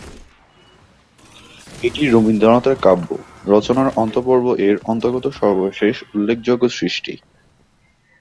এটি রবীন্দ্রনাথের কাব্য রচনার "অন্ত্যপর্ব"-এর অন্তর্গত সর্বশেষ উল্লেখযোগ্য সৃষ্টি।